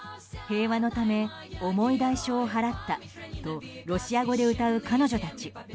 平和のため重い代償を払ったとロシア語で歌う彼女たち。